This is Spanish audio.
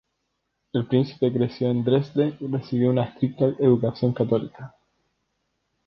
El príncipe creció en Dresde y recibió un estricta educación católica.